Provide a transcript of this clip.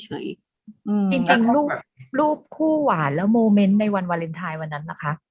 จริงรูปคู่หวานแล้วโมเมนต์ในวันวาเลนไทยวันนั้นนะคะ